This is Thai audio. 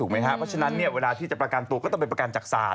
เพราะฉะนั้นเวลาที่จะประกันตัวก็ต้องไปประกันจากศาล